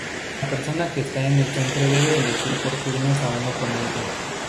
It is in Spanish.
La persona que está en el centro debe elegir por turnos a un oponente.